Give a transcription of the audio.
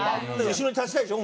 後ろに立ちたいでしょ？